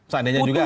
seandainya juga ya